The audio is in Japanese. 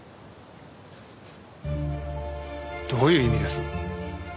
どういう意味です？